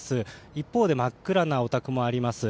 一方で真っ暗なお宅もあります。